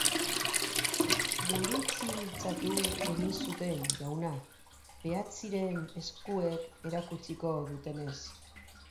Gurutziltzatu egin zuten, jauna, Peacheyren eskuek erakutsiko dutenez.